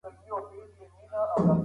سياست د ټولني د سمون لپاره کارول کېږي.